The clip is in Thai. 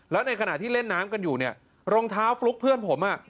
แล้วในขณะที่เล่นน้ำกันอยู่เนี่ยรองเท้าฟลุ๊กเพื่อนผมอ่ะ